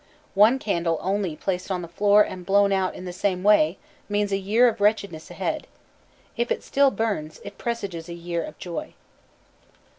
One candle only placed on the floor and blown out in the same way means a year of wretchedness ahead. If it still burns, it presages a year of joy.